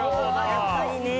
やっぱりね。